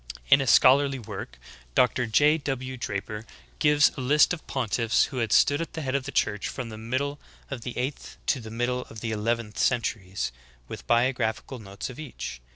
In a scholarly work Dr. J. W. Draper gives a list of pontiffs who had stood at the head of the Church from the middle of the eighth to the middle of the eleventh centuries, with biographical notes of each.